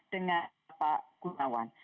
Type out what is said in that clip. dengan bapak gunawan